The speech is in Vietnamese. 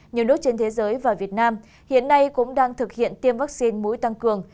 nhiều nước trên thế giới và việt nam hiện nay cũng đang thực hiện tiêm vaccine mũi tăng cường